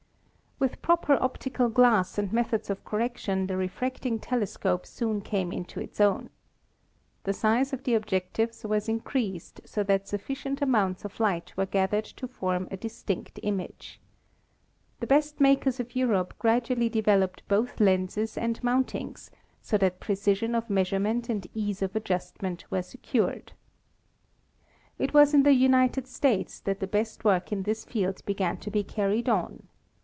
With proper optical glass and methods of correction the refracting telescope soon came into its own. The size of the objectives was increased so that sufficient amounts of light were gathered to form a distinct image. The best makers of Europe gradually developed both lenses and mountings so that precision of measurement and ease of adjustment were secured. It was in the United States that the best work in this field began to be carried on.